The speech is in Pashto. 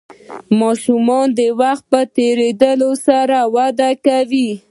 ماشوم د وخت په تیریدو سره وده کوي.